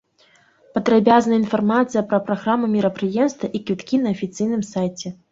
Падрабязная інфармацыя пра праграму мерапрыемства і квіткі на афіцыйным сайце.